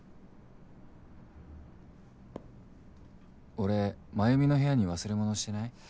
「俺、繭美の部屋に忘れものしてない？